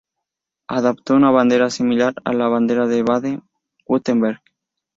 Adoptó una bandera similar a la bandera de Baden-Wurtemberg.